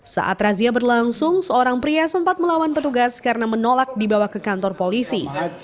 saat razia berlangsung seorang pria sempat melawan petugas karena menolak dibawa ke kantor polisi